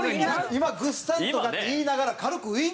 今「ぐっさんとか」って言いながら軽くウインクした。